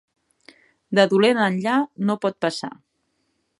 De dolent enllà no pot passar.